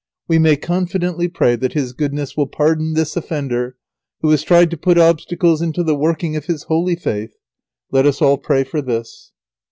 We may confidently pray that His goodness will pardon this offender who has tried to put obstacles into the working of His holy faith. Let us all pray for this."